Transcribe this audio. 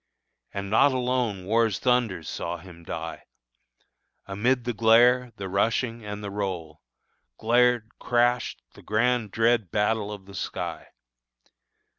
And not alone War's thunders saw him die; Amid the glare, the rushing, and the roll, Glared, crashed, the grand dread battle of the sky!